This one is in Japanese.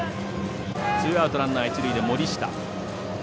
ツーアウト、ランナー、一塁で森下。